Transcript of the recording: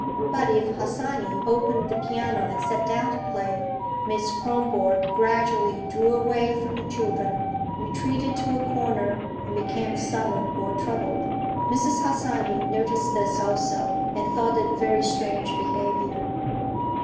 But if Harsanyi opened the piano and sat down to play, Miss Kronborg gradually drew away from the children, retreated to a corner and became sullen or troubled. Mrs. Harsanyi noticed this, also, and thought it very strange behavior.